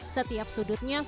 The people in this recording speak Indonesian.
setiap sudutnya seru